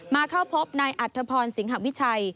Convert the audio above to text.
เข้าพบนายอัธพรสิงหวิชัย